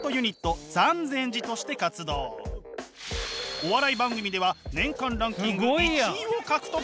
お笑い番組では年間ランキング１位を獲得。